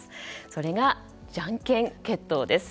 それがじゃんけん決闘です。